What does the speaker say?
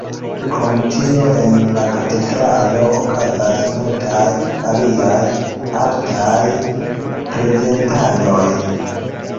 Krom tio en la katedralo okazas multaj aliaj artaj prezentadoj.